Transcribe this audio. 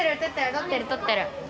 撮ってる撮ってる。